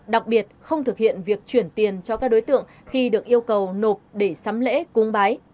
đặc biệt không thực hiện việc chuyển tiền cho các đối tượng khi được yêu cầu nộp để sắm lễ cúng bái